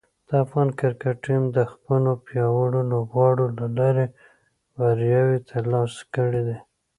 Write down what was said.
د افغان کرکټ ټیم د خپلو پیاوړو لوبغاړو له لارې بریاوې ترلاسه کړې دي.